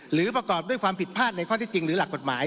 หรือประกอบด้วยความผิดพลาดในข้อที่จริงหรือหลักกฎหมาย